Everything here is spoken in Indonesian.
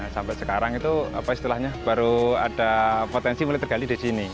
sampai sekarang itu apa istilahnya baru ada potensi mulai tergali di sini